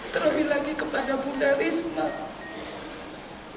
terlebih lagi kepada bunda risma